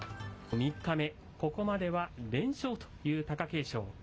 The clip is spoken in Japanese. ３日目、ここまでは連勝という貴景勝。